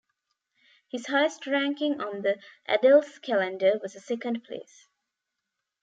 His highest ranking on the Adelskalender was a second place.